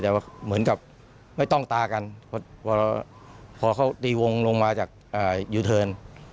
แต่ว่าเหมือนกับไม่ต้องตากันพอเขาตีวงลงมาจากยูเทิร์น